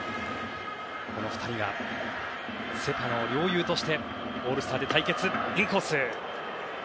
この２人がセ・パの両雄としてオールスターで対決。